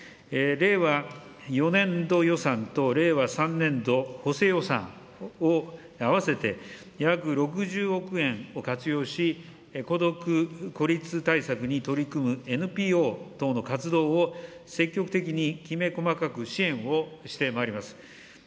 令和４年度予算と令和３年度補正予算を合わせて約６０億円を活用し、孤独、孤立対策に取り組むＮＰＯ等の活動を積極的にきめ細かく支援をしてまいります。